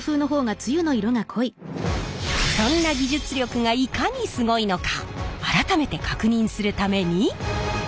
そんな技術力がいかにすごいのか改めて確認するために。